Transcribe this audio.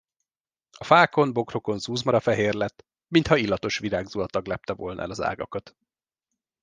A fákon, bokrokon zúzmara fehérlett, mintha illatos virágzuhatag lepte volna el az ágakat.